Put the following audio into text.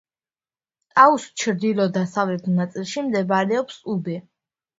ტაუს ჩრდილო-დასავლეთ ნაწილში მდებარეობს უბე.